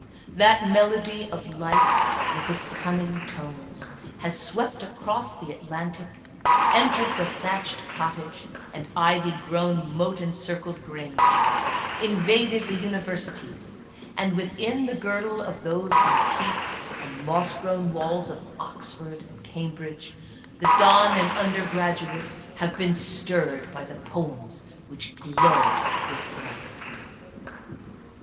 "That melody of life with its cunning tones " has swept across the At lantic, entered the thatched cottage and ivy grown moat en circled grange — invaded the universities, and within the girdle of those antique and moss grown walls of Oxford and Cambridge the don and the under graduate have been stirred by the poems which glow with life.